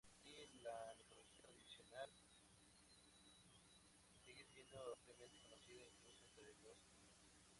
Así, la mitología tradicional sigue siendo ampliamente conocida, incluso entre los niños.